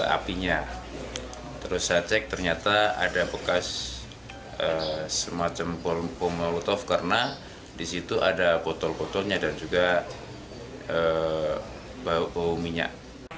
apinya terus saya cek ternyata ada bekas semacam bom molotov karena disitu ada botol botolnya dan juga bau bau minyak